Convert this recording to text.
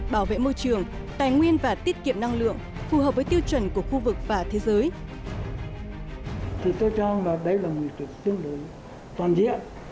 bảo vệ môi trường tài nguyên và tiết kiệm năng lượng phù hợp với tiêu chuẩn của khu vực và thế giới